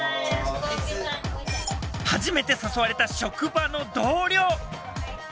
初めて誘われた職場の同僚。